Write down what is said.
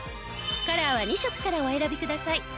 カラーは２色からお選びください。